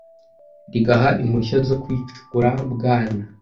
rigaha impushya zo kuyicukura bwana